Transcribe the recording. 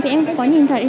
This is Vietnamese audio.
thì em cũng có nhìn thấy